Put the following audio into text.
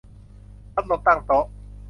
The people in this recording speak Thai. พัดลมตั้งโต๊ะ